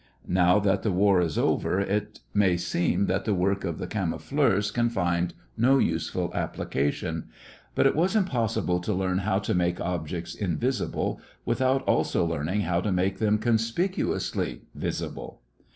Now that the war is over, it may seem that the work of the camoufleurs can find no useful application; but it was impossible to learn how to make objects invisible without also learning how to make them conspicuously visible.